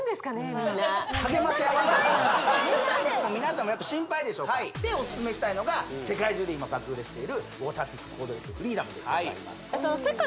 みんな皆さんもやっぱ心配でしょうからはいでオススメしたいのが世界中で今爆売れしているウォーターピックコードレスフリーダムでございます